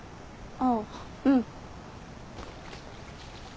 ああうん。